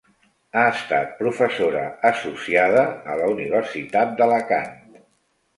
Ha estat professora associada a la Universitat d'Alacant.